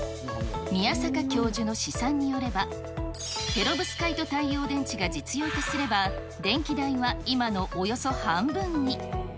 宮坂教授の試算によれば、ペロブスカイト太陽電池が実用化すれば、電気代は今のおよそ半分に。